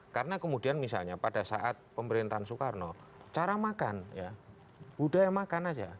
karena kemudian misalnya pada saat pemerintahan soekarno cara makan budaya makan saja